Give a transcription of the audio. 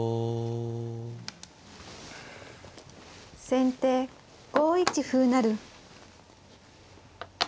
先手５一歩成。